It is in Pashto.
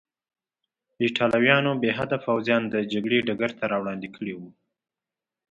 ایټالویانو بې حده پوځیان د جګړې ډګر ته راوړاندې کړي وو.